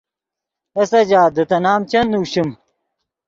اے سجاد دے تے نام چند نوشیم۔